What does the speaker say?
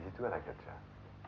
abis cerita yang belum selesai